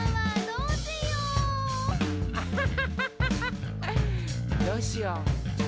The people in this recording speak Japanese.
どうしよう？